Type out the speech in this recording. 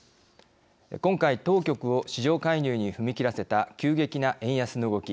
今回当局を市場介入に踏み切らせた急激な円安の動き。